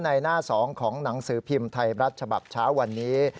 ในหน้า๒ของหนังสือพิมพ์ไทยรัฐฉบับเช้าวันนี้